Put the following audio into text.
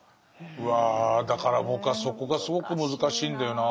うわだから僕はそこがすごく難しいんだよな。